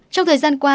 trong thời gian qua